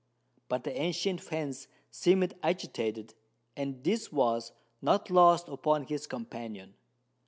But the ancient fence seemed agitated; and this was not lost upon his companion.